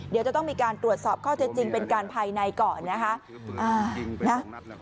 เดี๋ยวจะต้องมีการตรวจสอบข้อเท็จจริงเป็นการภายในก่อนนะคะ